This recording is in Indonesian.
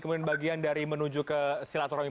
kemudian bagian dari menuju ke silaturahmi